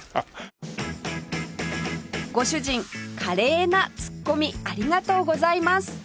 ご主人カレイなツッコミありがとうございます